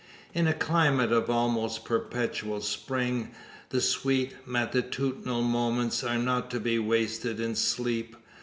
In a climate of almost perpetual spring, the sweet matutinal moments are not to be wasted in sleep.